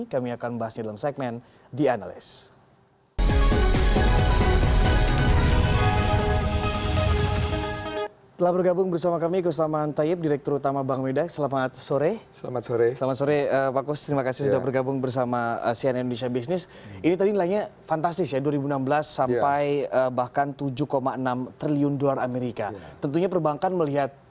kami akan membahasnya dalam segmen the analyst